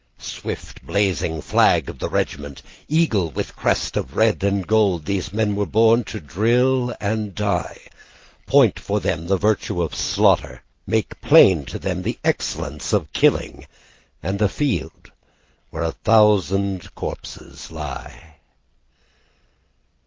Swift blazing flag of the regiment, Eagle with crest of red and gold, These men were born to drill and die. Point for them the virtue of the slaughter, Make plain to them the excellence of killing And a field where a thousand corpses lie.